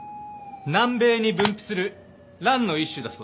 南米に分布する蘭の一種だそうです。